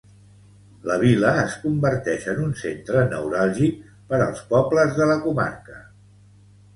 La vila es converteix en un centre neuràlgic per als pobles de la comarca.